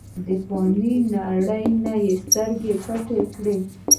د فانې نړۍ نه سترګې پټې کړې ۔